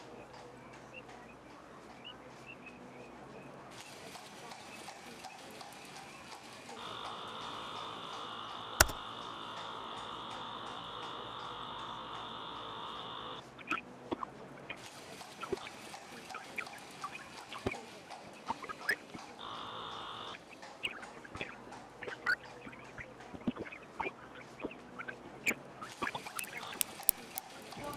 Upele wa ngozi unaweza kubeba maambukizi ya pumu kwa muda mrefu